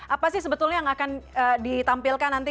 apa sih sebetulnya yang akan ditampilkan nanti